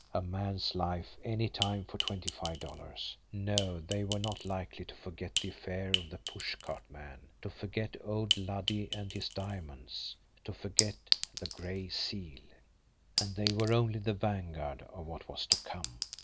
A man's life any time for twenty five dollars! No, they were not likely to forget the affair of the pushcart man, to forget old Luddy and his diamonds, to forget the Gray Seal! And they were only the vanguard of what was to come!